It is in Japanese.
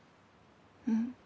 うん。